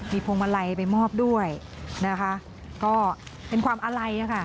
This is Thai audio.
พวงมาลัยไปมอบด้วยนะคะก็เป็นความอาลัยค่ะ